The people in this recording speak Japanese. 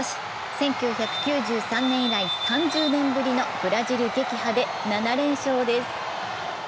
１９９３年以来３０年ぶりのブラジル撃破で７連勝です。